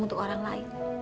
untuk orang lain